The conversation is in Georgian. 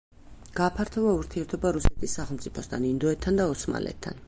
გააფართოვა ურთიერთობა რუსეთის სახელმწიფოსთან, ინდოეთთან და ოსმალეთთან.